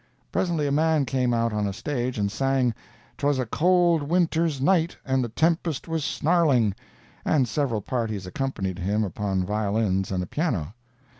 Presently a man came out on a stage and sang "'Twas a Cold Winter's Night, and the Tempest was Snarling," and several parties accompanied him upon violins and a piano.